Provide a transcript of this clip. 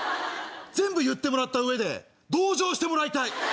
全部言ってもらった上で同情してもらいたい。